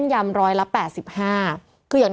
จากที่ตอนแรกอยู่ที่๑๐กว่าศพแล้ว